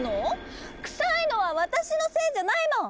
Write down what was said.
クサいのは私のせいじゃないもん。